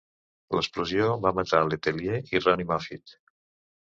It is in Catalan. L'explosió va matar Letelier i Ronni Moffit.